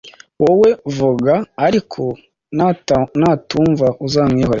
wowe vuga ariko natakumva uzamwihorere